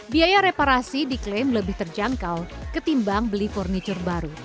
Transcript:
biaya reparasi diklaim lebih terjangkau ketimbang beli furniture baru